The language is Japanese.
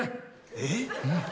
えっ。